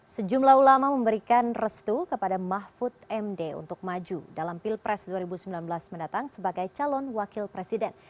sejumlah ulama memberikan restu kepada mahfud md untuk maju dalam pilpres dua ribu sembilan belas mendatang sebagai calon wakil presiden